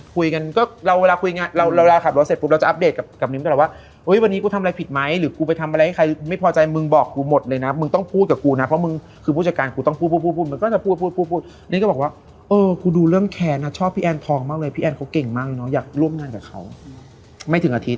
ตื่นเช้ามาอีนี่ก็คือเหมือนคนตาลอยนั่งอยู่